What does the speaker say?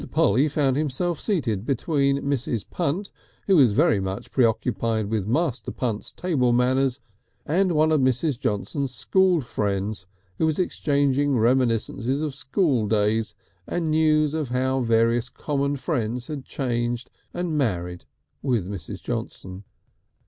Polly found himself seated between Mrs. Punt, who was much preoccupied with Master Punt's table manners, and one of Mrs. Johnson's school friends, who was exchanging reminiscences of school days and news of how various common friends had changed and married with Mrs. Johnson.